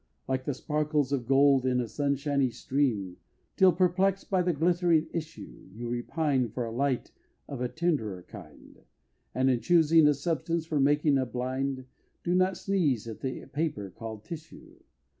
Like the sparkles of gold in a sunshiny stream, Till perplex'd by the glittering issue, You repine for a light of a tenderer kind And in choosing a substance for making a blind, Do not sneeze at the paper call'd tissue.